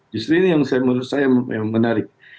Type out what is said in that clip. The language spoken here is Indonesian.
justru ini yang menurut saya menarik